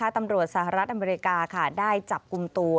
สหรัฐอเมริกาได้จับกลุ่มตัว